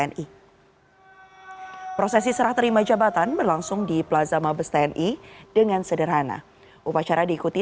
hai prosesi serah terima jabatan berlangsung di plaza mabes tni dengan sederhana upacara diikuti